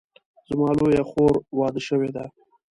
زما لویه خور واده شوې ده